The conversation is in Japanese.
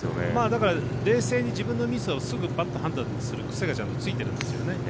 だから冷静に自分のミスを判断する癖がちゃんとついてるんですよね。